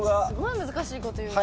すごい難しいこと言う。